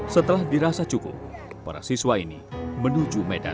setelah dirasa cukup para siswa ini menuju medan